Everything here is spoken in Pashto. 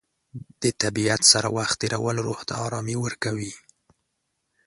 د طبیعت سره وخت تېرول روح ته ارامي ورکوي.